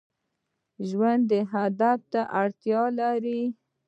ژوند هدف ته اړتیا لري